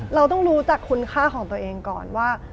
เราต้องรู้จักคุณค่าของตัวเองก่อนว่า